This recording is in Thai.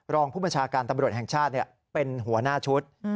รองผู้บัญชาการตำรวจแห่งชาติเป็นหัวหน้าชุด